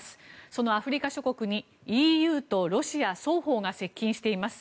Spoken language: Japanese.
そのアフリカ諸国にＥＵとロシア双方が接近しています。